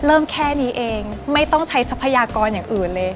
แค่นี้เองไม่ต้องใช้ทรัพยากรอย่างอื่นเลย